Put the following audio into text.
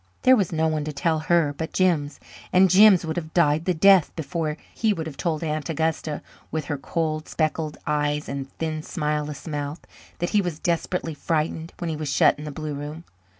There was no one to tell her but Jims, and Jims would have died the death before he would have told Aunt Augusta, with her cold, spectacled eyes and thin, smileless mouth, that he was desperately frightened when he was shut in the blue room.